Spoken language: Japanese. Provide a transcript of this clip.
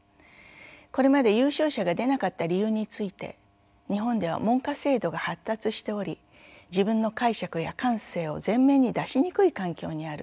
これまで優勝者が出なかった理由について日本では門下制度が発達しており自分の解釈や感性を前面に出しにくい環境にある。